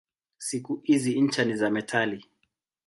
Siku hizi ncha ni za metali.